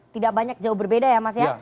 tidak banyak jauh berbeda ya mas ya